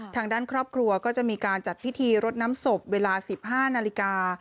ทางด้านครอบครัวก็จะมีการจัดพิธีรดน้ำศพเวลา๑๕นาฬิกา